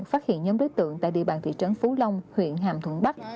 phát hiện nhóm đối tượng tại địa bàn thị trấn phú long huyện hàm thuận bắc